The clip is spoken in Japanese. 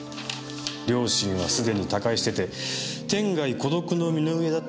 両親はすでに他界してて天涯孤独の身の上だったようですし。